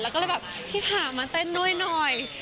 แล้วก็เลยแบบที่ผ่ามาเต้นด้วยหน่อย